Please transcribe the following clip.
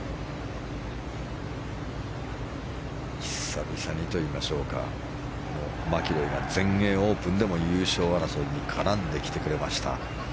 久々にと言いましょうかマキロイが全英オープンでも優勝争いに絡んできてくれました。